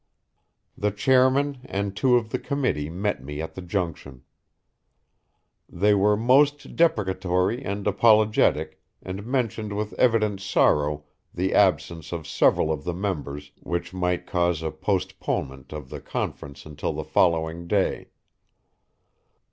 The chairman and two of the committee met me at the junction. They were most deprecatory and apologetic, and mentioned with evident sorrow the absence of several of the members which might cause a postponement of the conference until the following day.